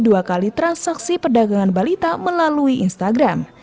dua kali transaksi perdagangan balita melalui instagram